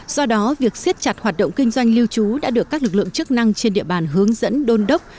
do đó việc siết chặt hoạt động kinh doanh lưu trú đã được các lực lượng chức năng trên địa bàn hướng dẫn đôn đốc